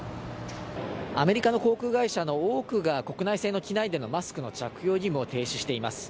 アメリカの航空会社の多くが国内線の機内でのマスクの着用義務を停止しています。